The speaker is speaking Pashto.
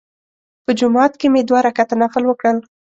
په جومات کې مې دوه رکعته نفل وکړل.